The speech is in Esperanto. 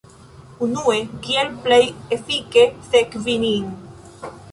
Unue, kiel plej efike sekvi nin